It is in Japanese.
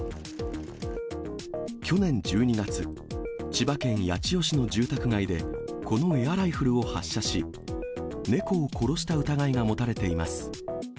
去年１２月、千葉県八千代市の住宅街で、このエアライフルを発射し、猫を殺した疑いが持たれています。